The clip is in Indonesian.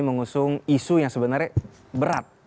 mengusung isu yang sebenarnya berat